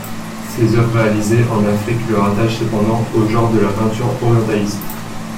Ses œuvres réalisées en Afrique le rattachent cependant au genre de la peinture orientaliste.